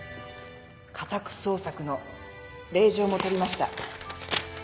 家宅捜索の令状も取りました。